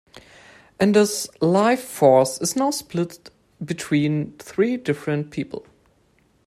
Ender's "life force" is now split between three different people.